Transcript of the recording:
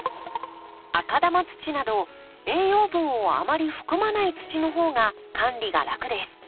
赤玉土など栄養分をあまり含まない土の方が管理が楽です。